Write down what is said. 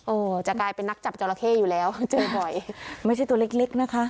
จะกลายเป็นนักจับจอราเข้อยู่แล้วเจอบ่อยไม่ใช่ตัวเล็กเล็กนะคะ